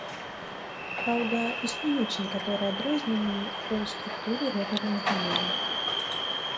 Праўда, існуюць некаторыя адрозненні ў структуры гэтага механізму.